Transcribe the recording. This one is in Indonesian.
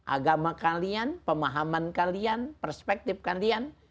agama kalian pemahaman kalian perspektif kalian